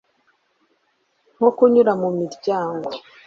nko kunyura mu miryango